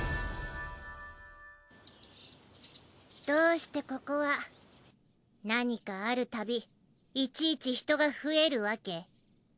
どうしてここは何かあるたびいちいち人が増えるわけ？